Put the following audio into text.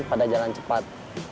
pada jalan cepat